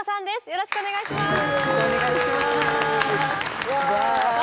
よろしくお願いします。